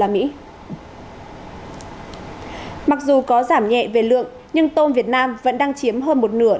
mặc dù có giảm nhẹ về lượng nhưng tôm việt nam vẫn đang chiếm hơn một nửa